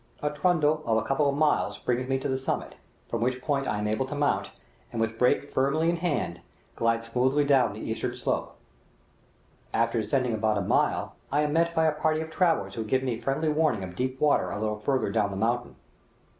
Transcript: A trundle of a couple of miles brings me to the summit, from which point I am able to mount, and, with brake firmly in hand, glide smoothly down the eastern slope. After descending about a mile, I am met by a party of travellers who give me friendly warning of deep water a little farther down the mountain.